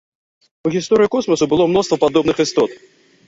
У гісторыі космасу было мноства падобных істот.